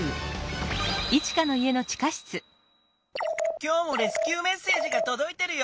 今日もレスキューメッセージがとどいてるよ。